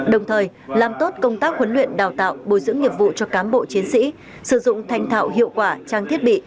đồng thời làm tốt công tác huấn luyện đào tạo bồi dưỡng nghiệp vụ cho cám bộ chiến sĩ sử dụng thanh thạo hiệu quả trang thiết bị